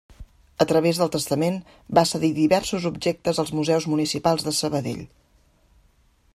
A través del testament va cedir diversos objectes als museus municipals de Sabadell.